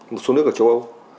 một số nước ở châu âu